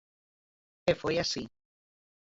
E foi así.